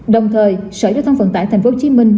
đồng thời sở giới thông phận tải thành phố hồ chí minh